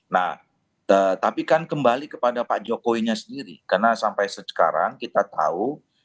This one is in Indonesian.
nah tapi kan kembali kepada pak jokowinya sendiri karena sampai sekarang kita tahu